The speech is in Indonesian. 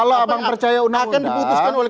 kalau abang percaya undang undang